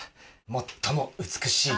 最も美しい。